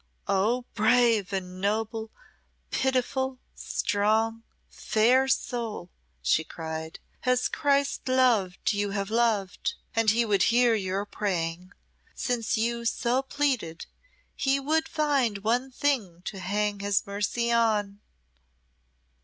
"Oh, brave and noble, pitiful, strong, fair soul!" she cried. "As Christ loved you have loved, and He would hear your praying. Since you so pleaded, He would find one thing to hang His mercy on."